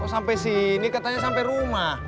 sampai sini katanya sampai rumah